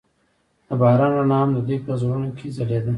د باران رڼا هم د دوی په زړونو کې ځلېده.